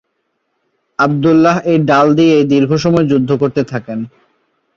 আবদুল্লাহ এই ডাল দিয়েই দীর্ঘসময় যুদ্ধ করতে থাকেন।